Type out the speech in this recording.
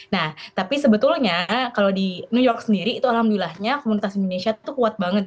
nah tapi sebetulnya kalau di new york sendiri itu alhamdulillahnya komunitas indonesia tuh kuat banget